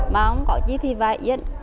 mà không có chứ thì vài yên